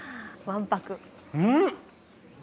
うん！